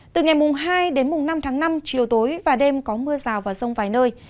từ ngày hai đến năm tháng năm chiều tối và đêm có mưa sào và sông vài nơi